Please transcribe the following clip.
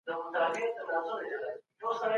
ولي بايد انسان له خپل سپېڅلي کرامت څخه دفاع ونه کړي؟